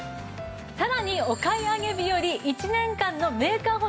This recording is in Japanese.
さらにお買い上げ日より１年間のメーカー保証付きです。